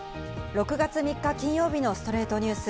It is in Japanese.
６月３日、金曜日の『ストレイトニュース』。